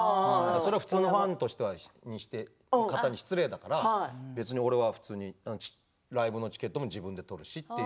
それは普通のファンの方に失礼だから俺はライブのチケットも自分で取るしって。